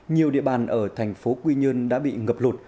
nhiều địa bàn ở thành phố quy nhơn đã bị ngập lụt